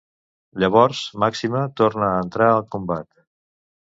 Llavors Maxima torna a entrar al combat.